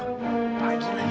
aduh kemana tuh orang